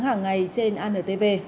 hàng ngày trên antv